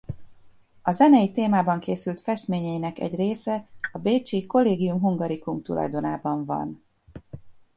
A zenei témában készült festményeinek egy része a bécsi Collegium Hungaricum tulajdonában van.